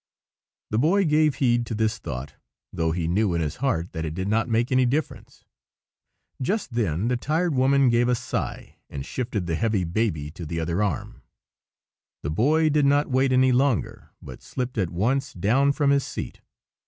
The Boy gave heed to this thought, though he knew in his heart that it did not make any difference. Just then the tired woman gave a sigh and shifted the heavy baby to the other arm. The Boy did not wait any longer, but slipped at once down from his seat.